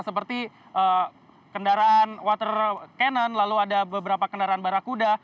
seperti kendaraan water cannon lalu ada beberapa kendaraan barakuda